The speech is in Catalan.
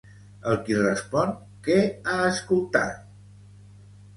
El qui respon, què ha escoltat?